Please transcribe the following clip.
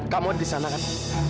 kamu di sana kan